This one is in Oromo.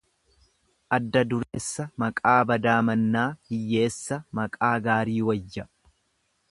Adda dureessa maqaa badaa mannaa hiyyeessa maqaa gaarii wayya.